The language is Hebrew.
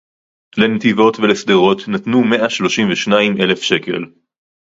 לנתיבות ולשדרות נתנו מאה שלושים ושניים אלף שקל